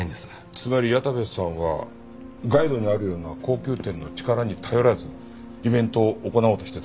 つまり矢田部さんはガイドにあるような高級店の力に頼らずイベントを行おうとしてたんですか？